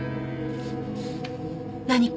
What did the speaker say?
何か？